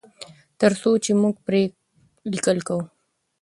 تر څو چې موږ پرې لیکل کوو.